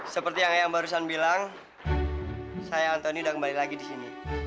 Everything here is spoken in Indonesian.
seperti yang ayang barusan bilang saya antoni udah kembali lagi disini